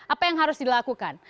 apa yang harus dilakukan